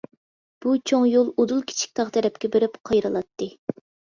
بۇ چوڭ يول ئۇدۇل كىچىك تاغ تەرەپكە بېرىپ قايرىلاتتى.